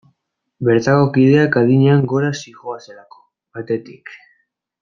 Bertako kideak adinean gora zihoazelako, batetik.